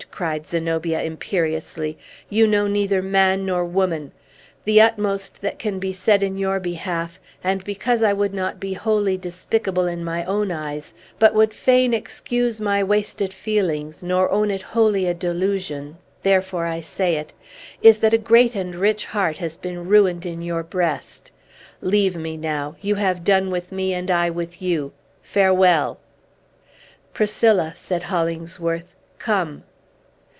cried Zenobia imperiously. "You know neither man nor woman! The utmost that can be said in your behalf and because I would not be wholly despicable in my own eyes, but would fain excuse my wasted feelings, nor own it wholly a delusion, therefore I say it is, that a great and rich heart has been ruined in your breast. Leave me, now. You have done with me, and I with you. Farewell!" "Priscilla," said Hollingsworth, "come."